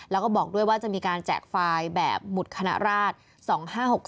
แล้วก็บอกด้วยว่าจะมีการแจกไฟล์แบบบุตรคณะราช๒๕๖๖